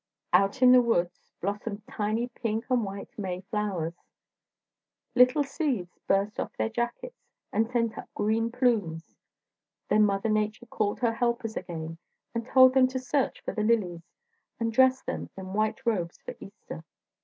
Out in the woods blossomed tiny pink and white May flowers. Little seeds burst off their jackets and sent up green plumes. Then Mother Nature called her helpers again and told them to search for the lilies, and dress them in white robes for Easter.